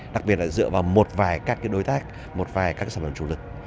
đặc biệt là dựa vào một vài các đối tác một vài các sản phẩm chủ lực